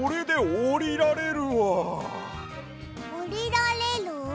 おりられる？